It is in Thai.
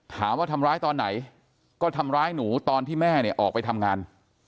ถามว่าทำร้ายตอนไหนก็ทำร้ายหนูตอนที่แม่เนี่ยออกไปทำงาน